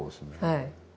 はい。